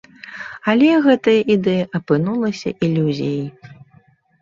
Але гэтая ідэя апынулася ілюзіяй.